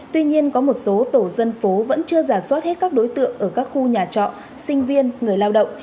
tuy nhiên có một số tổ dân phố vẫn chưa giả soát hết các đối tượng ở các khu nhà trọ sinh viên người lao động